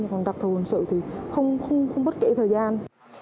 còn đặc thù hình sự thì không bất kể thời gian